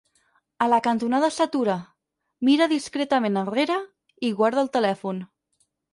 A la cantonada s'atura, mira discretament enrere i guarda el telèfon.